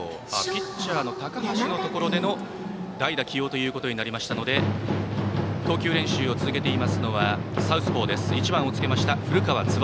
ピッチャーの高橋のところでの代打起用となりましたので投球練習を続けていますのはサウスポーの１番をつけました古川翼。